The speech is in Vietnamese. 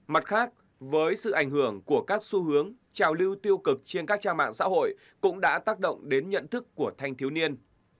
mặt khác với sự ảnh hưởng của các xu hướng trào lưu tiêu cực trên các trang mạng xã hội cũng đã tác động đến nhận thức của thanh thiếu niên